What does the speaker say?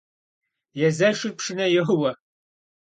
Езэшыр пшынэ йоуэ.